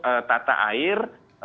untuk tata air